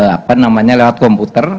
apa namanya lewat komputer